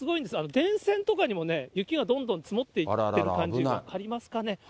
電線とかにも雪がどんどん積もっていってる感じ、分かりますかね。